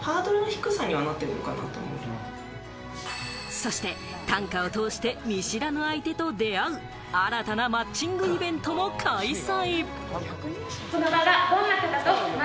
そして、短歌を通して見知らぬ相手と出会う、新たなマッチングイベントも開催。